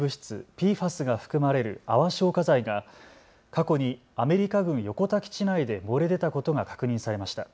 ＰＦＡＳが含まれる泡消火剤が過去にアメリカ軍横田基地内で漏れ出たことが確認されました。